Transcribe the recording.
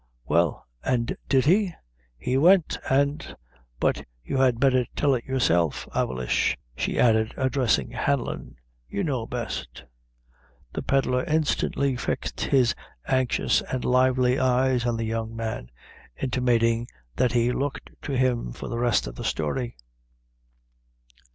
'Well, an' did he?" "He went an' but you had betther tell it yourself, avillish," she added, addressing Hanlon; "you know best." The pedlar instantly fixed his anxious and lively eyes on the young man, intimating that he looked to him for the rest of the story.